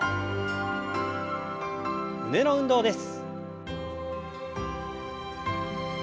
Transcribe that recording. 胸の運動です。